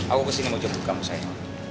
aku kesini mau jemput kamu saya